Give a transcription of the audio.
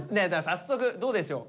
早速どうでしょう？